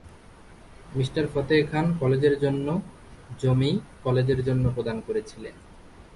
Mr Fateh Khan কলেজের জন্য জমি কলেজের জন্য প্রদান করেছিলেন।